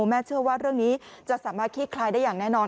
เชื่อว่าเรื่องนี้จะสามารถขี้คลายได้อย่างแน่นอน